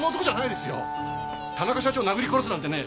田中社長を殴り殺すなんてね